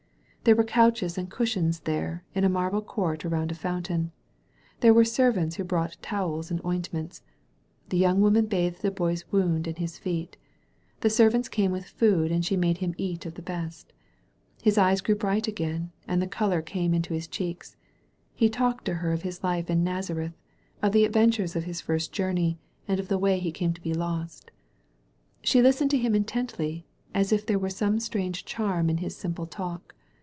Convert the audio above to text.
There were couches and cushions there, in a maible court around a fountain. There were ser vants who brought toweb and ointments. The young woman bathed the Boy's wound and his feet. The servants came with food, and she made him eat of the best. His ^es grew bright again, and the color came into his pheeks. He talked to her of his life in Nazareth, of the adventures of his first jour ney, and of the way he came to be lost. She listened to him intently, as if there were some strange charm in his simple talk.